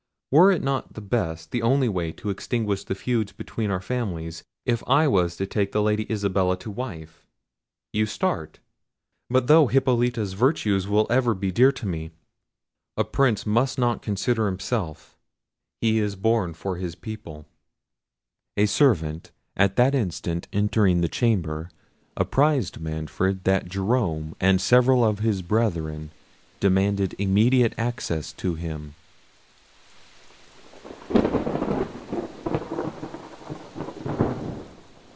Were it not the best, the only way to extinguish the feuds between our families, if I was to take the Lady Isabella to wife? You start. But though Hippolita's virtues will ever be dear to me, a Prince must not consider himself; he is born for his people." A servant at that instant entering the chamber apprised Manfred that Jerome and several of his brethren demanded immediate access to him.